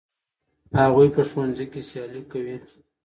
هغوی په ښوونځي کې سیالي کوي.